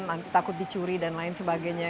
nanti takut dicuri dan lain sebagainya